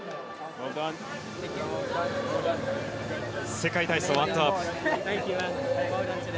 世界体操アントワープ。